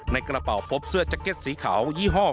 ในกระเป๋าพบเสื้อแจ็คเก็ตสีขาวยี่ห้อ